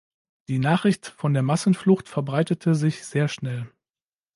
Die Nachricht von der Massenflucht verbreitete sich sehr schnell.